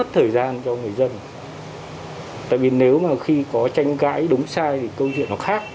tại vì nếu mà khi có tranh cãi đúng sai thì câu chuyện nó khác